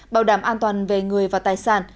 bảo đảm an toàn về người và tài sản